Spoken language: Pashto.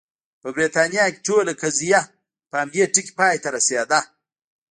په برېټانیا کې ټوله قضیه په همدې ټکي پای ته رسېده.